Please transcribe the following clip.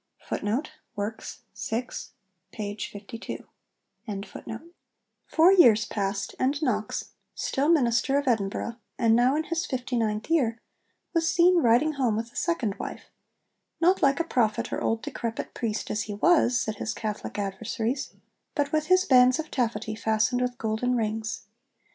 ' Four years passed, and Knox, still minister of Edinburgh, and now in his fifty ninth year, was seen riding home with a second wife, 'not like a prophet or old decrepit priest as he was,' said his Catholic adversaries, 'but with his bands of taffetie fastened with golden rings.'